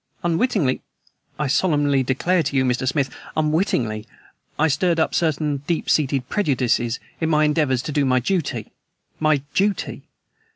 Unwittingly I solemnly declare to you, Mr. Smith, unwittingly I stirred up certain deep seated prejudices in my endeavors to do my duty my duty.